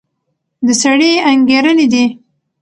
د سړي انګېرنې دي.